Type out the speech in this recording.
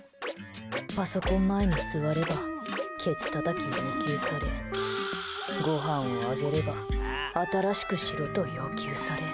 パソコン前に座ればケツたたきを要求されごはんをあげれば新しくしろと要求され。